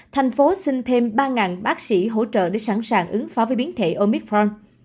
thành phố xin thêm ba bác sĩ hỗ trợ để sẵn sàng ứng phó với biến thể omicron